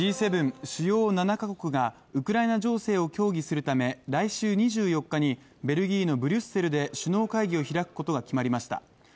Ｇ７＝主要７か国がウクライナ情勢を協議するため来週２４日にベルギーのブリュッセルで首脳会議を開くことが決まりました。